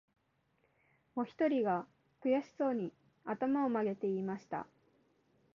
もひとりが、くやしそうに、あたまをまげて言いました